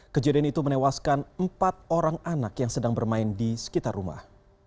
kejadian itu menewaskan empat orang anak yang sedang bermain di sekitar rumah